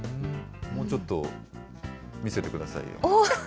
もうちょっと見せてくださいよ。